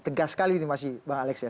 tegas sekali ini masih bang alex ya